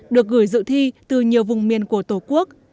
được gửi dự thi từ nhiều vùng miền của tổ quốc